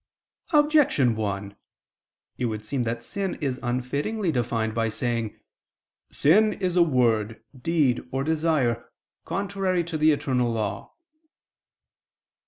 Objection 1: It would seem that sin is unfittingly defined by saying: "Sin is a word, deed, or desire, contrary to the eternal law."